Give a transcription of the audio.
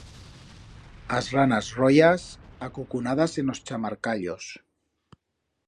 As ranas royas acucunadas en os chamarcallos.